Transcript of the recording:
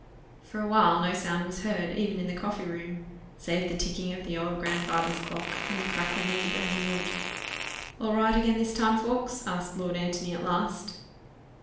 For a while no sound was heard, even in the coffee room, save the ticking of the old grandfather's clock and the crackling of the burning wood. "All right again this time, Ffoulkes?" asked Lord Antony at last.